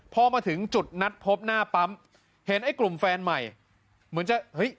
พอมาถึงจุดนัดพบหน้าปั๊มเห็นไอ้กลุ่มแฟนใหม่เหมือนจะเฮ้ย